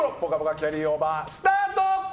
キャリーオーバースタート！